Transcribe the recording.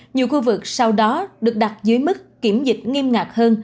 nhiều khu vực sau đó được đặt dưới mức kiểm dịch nghiêm ngạc hơn